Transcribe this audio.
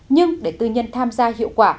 nhưng để tư nhân tham gia hiệu quả